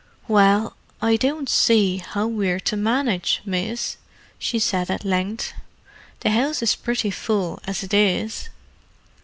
"Well, I don't see how we're to manage, miss," she said at length. "The house is pretty full as it is."